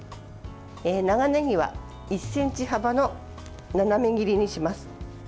長ねぎは１ｃｍ幅の斜め切りにします。